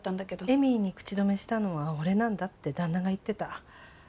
エミーに口止めしたのは俺なんだって旦那が言ってた。